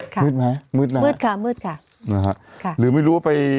มืดไหมมืดนะมืดค่ะมืดค่ะนะฮะค่ะหรือไม่รู้ว่าไป